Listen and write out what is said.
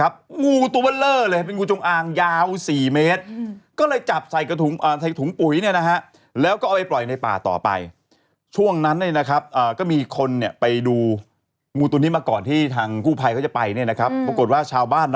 อ่าอาจจะเป็นแบบปืนอย่างนั้นน่ะปืนด้วยรูขุดปืนขนาดจุด๒๒